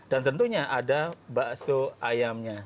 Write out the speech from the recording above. dan tentunya ada bakso ayamnya